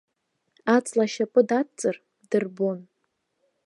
Аҵла ашьапы дадҵыр, дырбон.